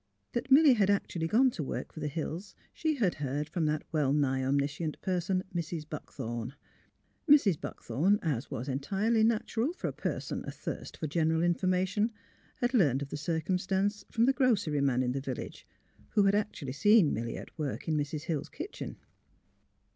That Milly had actually gone to work for the Hills she had heard from that well nigh omniscient person, Mrs. Buckthorn. Mrs. Buck thorn, as was entirely natural for a person athirst for general information, had learned of the circumstance from the grocery man in the vil lage, who had actually seen Milly at work in Mrs. Hill's kitchen.